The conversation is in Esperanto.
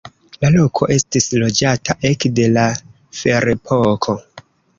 La loko estis loĝata ekde la ferepoko.